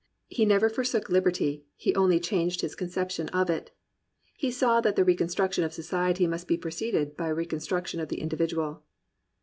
He never forsook Uberty; he only changed his conception of it. He saw that the reconstruc tion of society must be preceded by reconstruction of the individual.